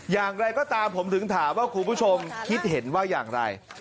อย่างไรก็ตามผมถึงถามว่าคุณผู้ชมคิดเห็นว่าอย่างไร